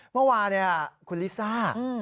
เมื่อวานคุณลิซ่า